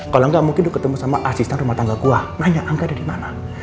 kalau engga mungkin lo ketemu sama asisten rumah tangga gua nanya angga ada dimana